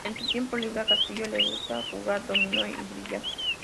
En su tiempo libre, a "Castillo" le gusta jugar dominó y billar.